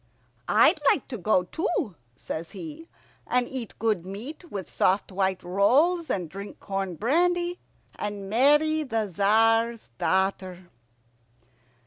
"I'd like to go too," says he, "and eat good meat, with soft white rolls, and drink corn brandy, and marry the Tzar's daughter."